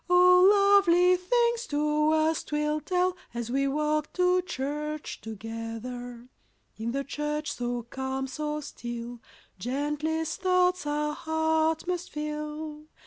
Oh, lovely things to us 'twill tell, As we walk to church together. In the church so calm, so still, Gentlest thoughts our heart must fill.